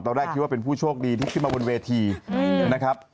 ตอนแรกคิดว่าเป็นผู้โชคดีที่ขึ้นมาบนเวทีนะครับ